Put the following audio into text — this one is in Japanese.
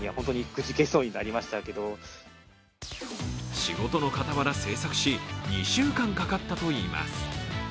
仕事の傍ら制作し、２週間かかったといいます。